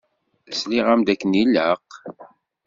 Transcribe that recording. Sliɣ-am-d akken ilaq?